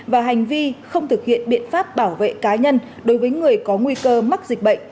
và hành vi không thực hiện biện pháp bảo vệ cá nhân đối với người có nguy cơ mắc dịch bệnh